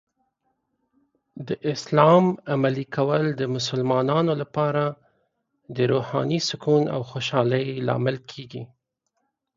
د اسلام عملي کول د مسلمانانو لپاره د روحاني سکون او خوشحالۍ لامل کیږي.